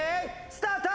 スタート。